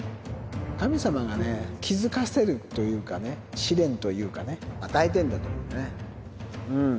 神様がね、気付かせるというかね、試練というかね、与えてんだと思うね。